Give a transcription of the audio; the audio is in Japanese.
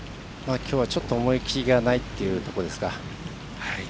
きょうはちょっと思い切りがないというところですか。